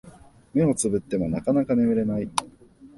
目をつぶってもなかなか眠れない